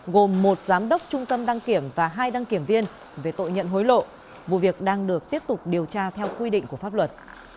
gồm một giám đốc trung tâm đăng kiểm và hai đăng kiểm viên về tội nhận hối lộ vụ việc đang được tiếp tục điều tra theo quy định của pháp luật